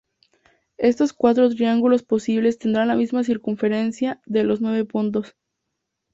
Estos cuatro triángulos posibles tendrán la misma circunferencia de los nueve puntos.